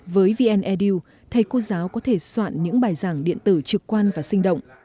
với vn edu thầy cô giáo có thể soạn những bài giảng điện tử trực quan và sinh động